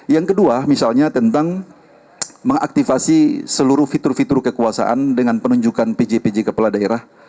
yang kedua misalnya tentang mengaktifasi seluruh fitur fitur kekuasaan dengan penunjukan pj pj kepala daerah